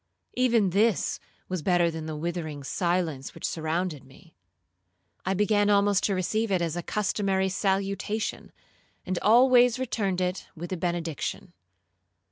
Even this was better than the withering silence which surrounded me. I began almost to receive it as a customary salutation, and always returned it with a benediction.